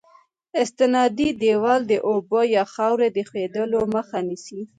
استنادي دیوال د اوبو یا خاورې د ښوېدلو مخه نیسي